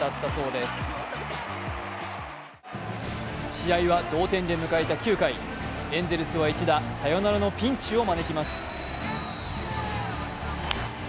試合は同点で迎えた９回、エンゼルスは一打サヨナラのピンチを招きます。